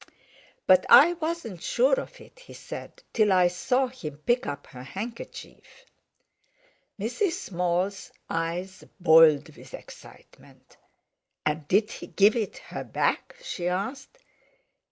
"But I wasn't sure of it," he said, "till I saw him pick up her handkerchief." Mrs. Small's eyes boiled with excitement. "And did he give it her back?" she asked.